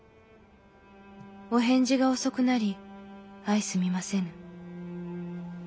お返事が遅くなり相すみませぬ。